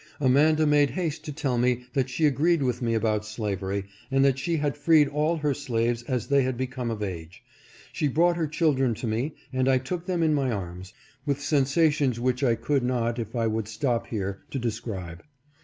Amanda made haste to tell me that she agreed with me about slavery, and that she had freed all her slaves as they had become of age. She brought her children to me, and I took them in my arms, with sensations which I could not if I would stop here to describe.